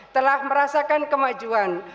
telah merasakan kemajuan